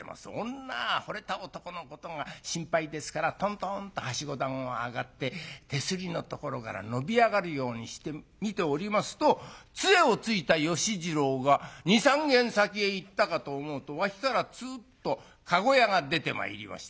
女はほれた男のことが心配ですからとんとんっとはしご段を上がって手すりのところから伸び上がるようにして見ておりますとつえをついた芳次郎が２３軒先へ行ったかと思うと脇からつーっと駕籠屋が出てまいりまして。